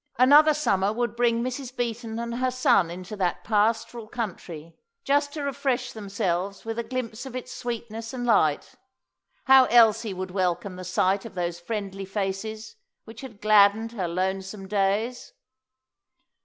Another summer would bring Mrs. Beaton and her son into that pastoral country, just to refresh themselves with a glimpse of its sweetness and light. How Elsie would welcome the sight of those friendly faces which had gladdened her lonesome days!